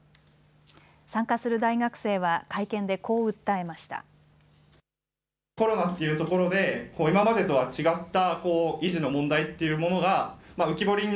参加する大学生は会見でこう訴えました。